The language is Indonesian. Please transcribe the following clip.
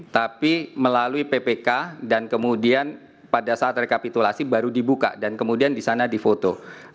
tapi melalui ppk dan kemudian pada saat rekapitulasi baru dibuka dan kemudian di sana difoto